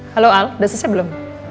halo al udah selesai belum